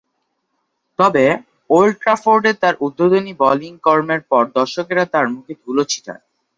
তবে, ওল্ড ট্রাফোর্ডে তার উদ্বোধনী বোলিং কর্মের পর দর্শকেরা তার মুখে ধুলো ছিটায়।